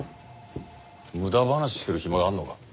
無駄話してる暇があるのか？